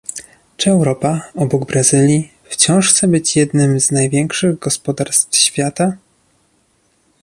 Czy Europa, obok Brazylii, wciąż chce być jednym z największych gospodarstw świata?